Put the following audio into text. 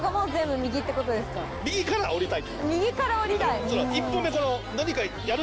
右から降りたい。